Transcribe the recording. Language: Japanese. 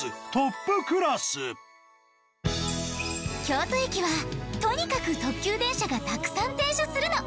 京都駅はとにかく特急電車がたくさん停車するの。